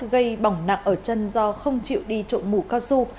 gây bỏng nặng ở chân do không chịu đi trộm mũ cao su